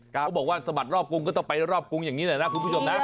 เขาบอกว่าสะบัดรอบกรุงก็ต้องไปรอบกรุงอย่างนี้แหละนะคุณผู้ชมนะ